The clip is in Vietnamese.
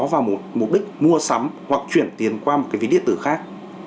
vào mục đích mua sắm hoặc chuyển tiền qua một cái ví điện tử khác